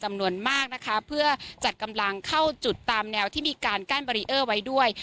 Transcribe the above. จำนวนมากนะคะเพื่อจัดกำลังเข้าจุดตามแนวที่มีการกั้นบารีเออร์ไว้ด้วย